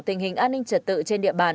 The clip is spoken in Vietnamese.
tình hình an ninh trật tế